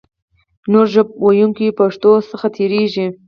نورو ژبو ویونکي پښتو څخه تېرېږي.